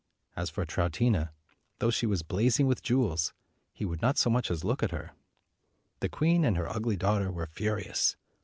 As for Troutina, though she was blazing with jewels, he would not so much as look at her. The queen and her ugly daughter were furious.